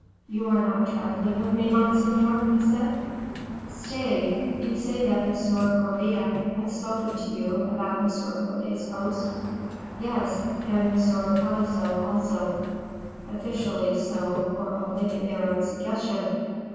"You are not trifling with me, monseigneur?" he said. "Stay; you say that M. Gourville has spoken to you about M. Fouquet's post?" "Yes; and M. Pelisson, also." "Officially so, or only through their own suggestion?"